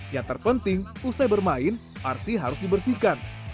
yang terpenting usai bermain arsi harus dibersihkan